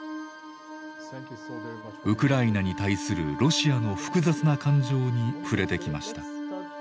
ウクライナに対するロシアの複雑な感情に触れてきました。